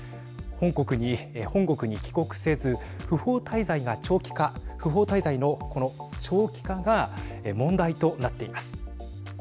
本国に帰国せず不法滞在が長期化不法滞在の、この長期化が問題となっています。